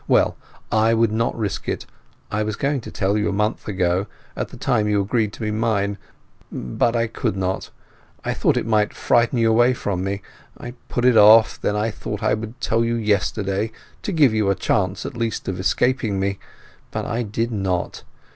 Well, I would not risk it. I was going to tell you a month ago—at the time you agreed to be mine, but I could not; I thought it might frighten you away from me. I put it off; then I thought I would tell you yesterday, to give you a chance at least of escaping me. But I did not.